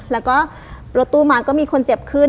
แล้วก็รถตู้มาก็มีคนเจ็บขึ้น